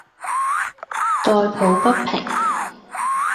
代抱不平；